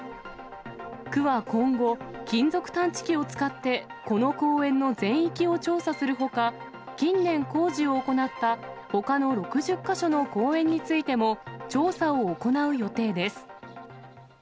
区は今後、金属探知機を使って、この公園の全域を調査するほか、近年、工事を行ったほかの６０か所の公園についても、調査を行う予定です。